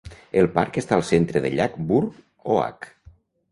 El parc està al centre del llac Burr Oak.